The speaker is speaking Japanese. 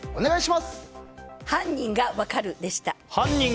犯人が分かるでした。